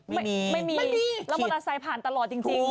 ไม่มีไม่มีแล้วมอเตอร์ไซค์ผ่านตลอดจริง